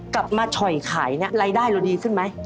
กลับมาช่อยขายรายได้เราดีขึ้นไหม